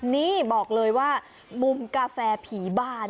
นี่บอกเลยว่ามุมกาแฟผีบาน